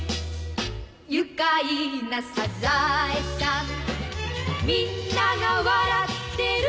「愉快なサザエさん」「みんなが笑ってる」